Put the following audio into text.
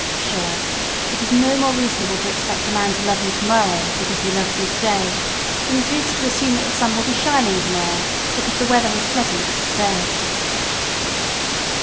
Pshaw! It is no more reasonable to expect a man to love you tomorrow because he loves you today, than it is to assume that the sun will be shining tomorrow because the weather is pleasant today.